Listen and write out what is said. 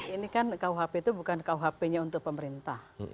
ini kan kuhp itu bukan kuhp nya untuk pemerintah